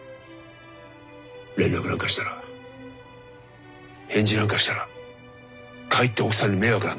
連絡なんかしたら返事なんかしたらかえって奥さんに迷惑なんだ。